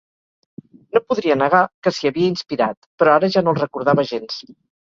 No podria negar que s'hi havia inspirat, però ara ja no el recordava gens.